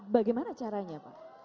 bagaimana caranya pak